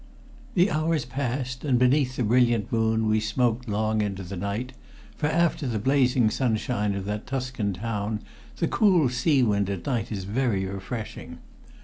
The hours passed, and beneath the brilliant moon we smoked long into the night, for after the blazing sunshine of that Tuscan town the cool sea wind at night is very refreshing.